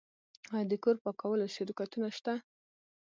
آیا د کور پاکولو شرکتونه شته؟